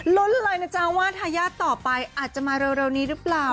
ลุ้นเลยนะจ๊ะว่าทายาทต่อไปอาจจะมาเร็วนี้หรือเปล่า